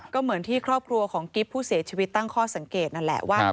ก็เหมือนที่ครอบครัวของกิ๊บผู้เสียชีวิตตั้งข้อสังเกตนั่นแหละว่า